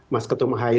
mas ketum ahy